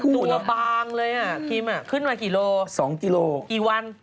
ริสต์ตัวบางเลยคิมขึ้นมากี่โลกรัมละครับ